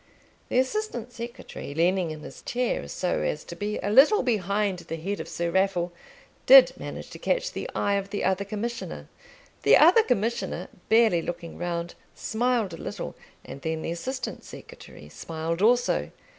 The assistant secretary, leaning back in his chair so as to be a little behind the head of Sir Raffle, did manage to catch the eye of the other Commissioner. The other Commissioner, barely looking round, smiled a little, and then the assistant secretary smiled also.